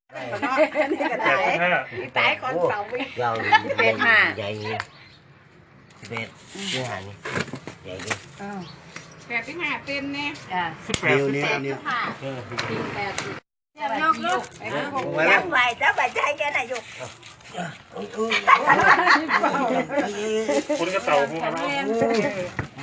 เขาก็ลูบที่เดียวเนี่ยเดี๋ยวจากนี้ก็ลูบ